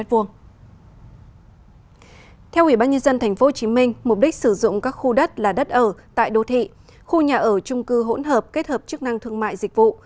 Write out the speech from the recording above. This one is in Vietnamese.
theo ubnd tp hcm mục đích sử dụng các khu đất là đất ở tại đô thị khu nhà ở trung cư hỗn hợp kết hợp chức năng thương mại dịch vụ